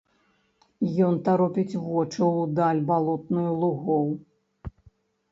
Ён таропіць вочы ў даль балотную лугоў.